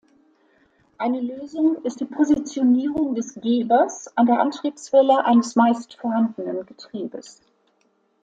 Eine Lösung ist die Positionierung des Gebers an der Antriebswelle eines meist vorhandenen Getriebes.